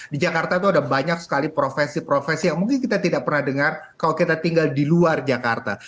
di jakarta itu ada banyak sekali profesi profesi yang mungkin kita tidak pernah dengar kalau kita tinggal di luar jakarta